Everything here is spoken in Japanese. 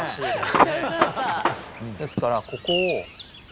ですからここを。